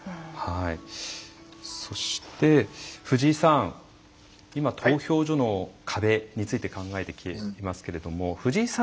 そして藤井さん今投票所の壁について考えてきていますけれども藤井さん